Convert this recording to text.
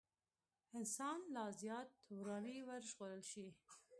انسان له لا زيات وراني وژغورل شي.